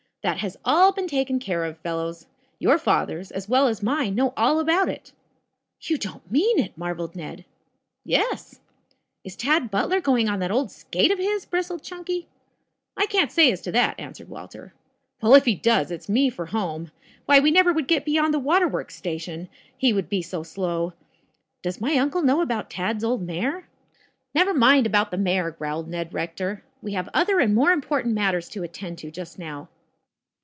"That has all been taken care of, fellows. Tour fathers, as well as mine, know all about it." "You don't mean it?" marveled Ned. "Yes." "Is Tad Butler going on that old skate of his?" bristled Chunky. "I can't say as to that," answered Walter. "Well, if he does, it's me for home. Why, we never would get beyoud the water works station, he would be so slow. Does my uncle know about Tad's old mare?" "Never mind about the mare," growled Ned Rector. "We have other and more important matters to attend to just now."